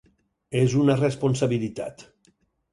És una responsabilitat.